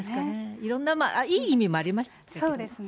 いろんないい意味もありましたけれどもね。